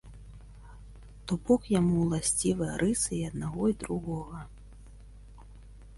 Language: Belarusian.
То бок, яму ўласцівыя рысы і аднаго і другога.